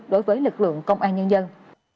đối với lực lượng công an nhân dân